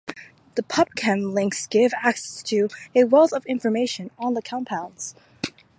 The PubChem links gives access to a wealth of information on the compounds.